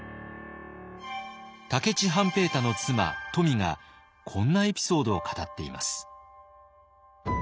武市半平太の妻冨がこんなエピソードを語っています。